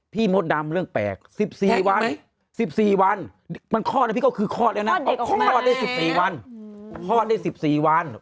พี่โบดำเรื่องแปลก๑๔วันมันคลอดนะพี่ก็คือคลอดแล้วนะคลอดได้๑๔วัน